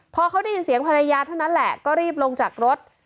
พอเขาได้ยินเสียงภรรยาเท่านั้นแหละก็รีบลงจากรถ